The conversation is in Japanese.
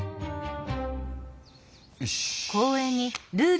よし！